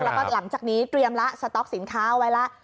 แล้วก็หลังจากนี้เตรียมแล้วสต๊อกสินค้าเอาไว้แล้ว